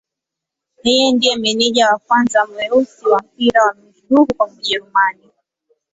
Yeye ndiye meneja wa kwanza mweusi wa mpira wa miguu huko Ujerumani.